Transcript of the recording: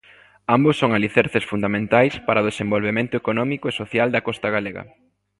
Ambos son alicerces fundamentais para o desenvolvemento económico e social da costa galega.